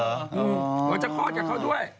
เอ้าจะคลอดกับเขาด้วย